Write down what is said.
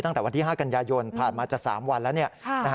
ตั้งแต่วันที่๕กันยายนผ่านมาจะ๓วันแล้ว